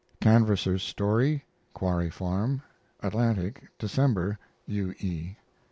CANVASSER'S STORY (Quarry Farm) Atlantic, December. U. E.